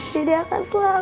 dede akan selalu jagain mak